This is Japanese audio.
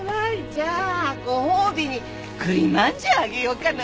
じゃあご褒美に栗まんじゅうあげようかな。